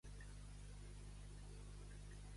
A Penàguila, els dolçainers, perquè tots toquen a casa.